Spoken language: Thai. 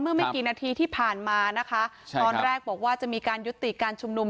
ไม่กี่นาทีที่ผ่านมานะคะตอนแรกบอกว่าจะมีการยุติการชุมนุม